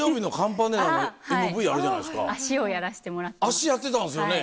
足やってたんすよね。